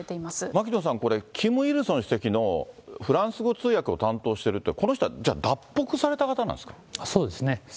牧野さん、これ、キム・イルソン主席のフランス語通訳を担当しているって、この人そうですね。